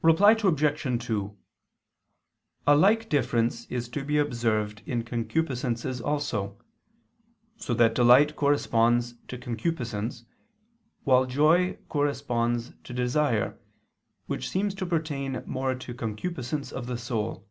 Reply Obj. 2: A like difference is to be observed in concupiscences also: so that delight corresponds to concupiscence, while joy corresponds to desire, which seems to pertain more to concupiscence of the soul.